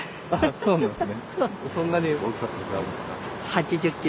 そうなんですね。